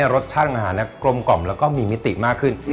รสชาติอาหารกลมกล่อมแล้วก็มีมิติมากขึ้น